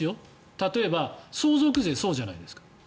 例えば相続税、そうじゃないですか。